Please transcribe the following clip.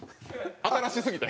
新しすぎて？